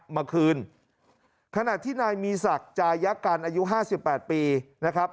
มาคืนขนาดที่นายมีศักดิ์จายกรรมอายุ๕๘ปีนะครับ